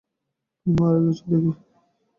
তুমি মারা গেছ দেখছি।